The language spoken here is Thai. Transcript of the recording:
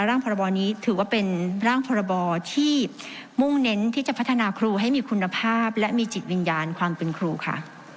พรบนี้ถือว่าเป็นร่างพรบที่มุ่งเน้นที่จะพัฒนาครูให้มีคุณภาพและมีจิตวิญญาณความเป็นครูค่ะ